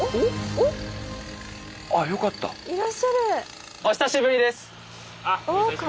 お久しぶりです。